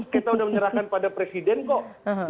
kita sudah menyerahkan pada presiden kok